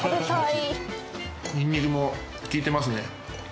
ニンニクも効いてますね。